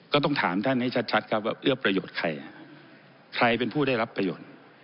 ก็ต้องถามท่านให้ชัดครับว่าเอื้อประโยชน์ใครใครเป็นผู้ได้รับประโยชน์